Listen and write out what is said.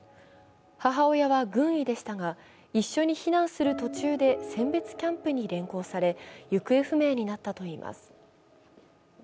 母親は軍医でしたが一緒に避難する途中で選別キャンプに連行され、行方不明になったといいます。